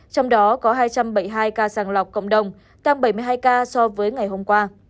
trong đó có hai trăm bảy mươi hai ca sàng lọc cộng đồng tăng bảy mươi hai ca so với ngày hôm qua